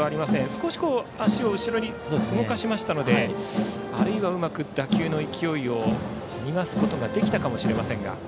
少し足を後ろに動かしましたのであるいはうまく打球の勢いを逃がすことができたかもしれませんが。